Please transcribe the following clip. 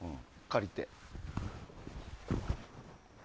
借りて。